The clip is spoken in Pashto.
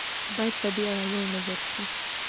باید په دې اړه یو نظر شو.